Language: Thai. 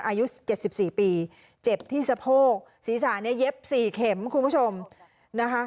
อายุเก็ดสิบสี่ปีเจ็บที่สะโพกศีรษะเนี่ยเย็บสี่เข็มคุณผู้ชมนะคะ